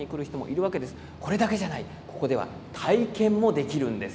これだけじゃない、ここでは体験もできるんです。